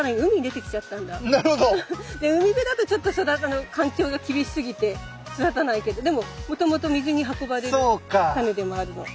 で海辺だとちょっと環境が厳しすぎて育たないけどでももともと水に運ばれるタネでもあるの。